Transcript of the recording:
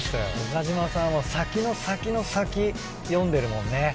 岡島さんは先の先の先読んでるもんね。